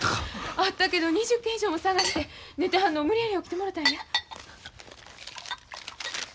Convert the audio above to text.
あったけど２０軒以上も探して寝てはんのを無理やり起きてもろたんや。